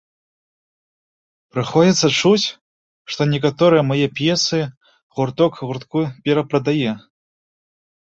Прыходзіцца чуць, што некаторыя мае п'есы гурток гуртку перапрадае.